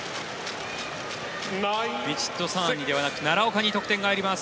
ヴィチットサーンにではなく奈良岡に得点が入ります。